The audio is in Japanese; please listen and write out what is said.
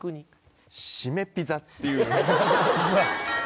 シメピザっていう。